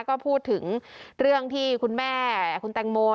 ก็พูดถึงเรื่องที่คุณแม่คุณแตงโม